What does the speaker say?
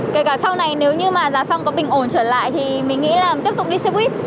kể cả sau này nếu như mà giá xăng có bình ổn trở lại thì mình nghĩ là tiếp tục đi xe buýt